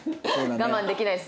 我慢できないです。